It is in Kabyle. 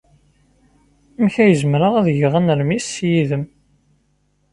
Amek ay zemreɣ ad geɣ anermis yid-m?